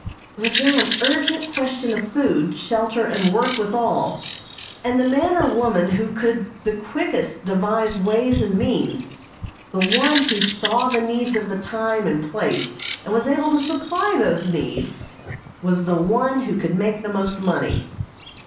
It was now an urgent question of food, shelter and work with all, and the man or woman who could the quickest devise ways and means, the one who saw the needs of the time and place and was able to supply those needs, was the one who could make the most money.